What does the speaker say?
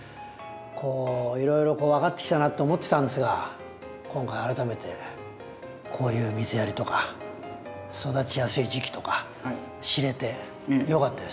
こういろいろ分かってきたなって思ってたんですが今回改めてこういう水やりとか育ちやすい時期とか知れてよかったです。